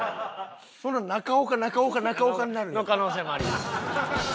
そんなん中岡中岡中岡になるやん。の可能性もあります。